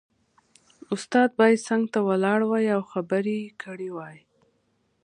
استاد باید څنګ ته ولاړ وای او خبرې یې کړې وای